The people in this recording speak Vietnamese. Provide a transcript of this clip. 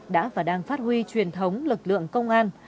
đã và đang phát huy truyền thống lực lượng công an